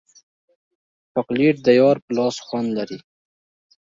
چاکلېټ د یار په لاس خوند لري.